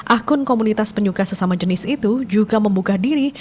akun komunitas penyuka sesama jenis itu juga membuka diri